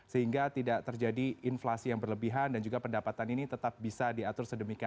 sehingga tidak terjadi inflasi yang berlebihan dan juga pendapatan ini tetap bisa diatur sedemikian